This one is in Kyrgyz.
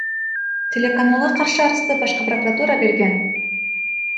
Телеканалга каршы арызды Башкы прокуратура берген.